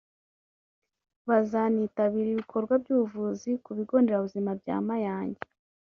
bazanitabira ibikorwa by’ubuvuzi ku bigo nderabuzima bya Mayange